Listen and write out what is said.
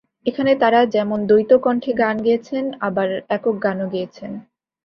এখানে তাঁরা যেমন দ্বৈত কণ্ঠে গান গেয়েছেন, আবার একক গানও গেয়েছেন।